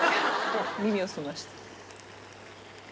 耳を澄まして。